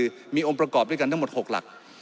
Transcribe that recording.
คือมีองค์ประกอบด้วยกันทั้งหมด๖หลัก